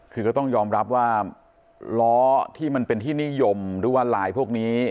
คือก็ต้องยอมรับว่าล้อที่มันเป็นที่นิยมหรือว่าลายพวกนี้